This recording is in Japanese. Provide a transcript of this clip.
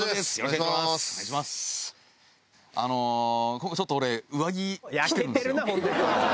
今回ちょっと俺上着着てるんですよ。